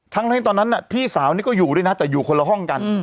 ทั้งตอนนั้นพี่สาวนี่ก็อยู่ด้วยนะแต่อยู่คนละห้องกัน